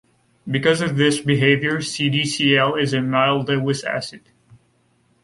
Because of this behavior, CdCl is a mild Lewis acid.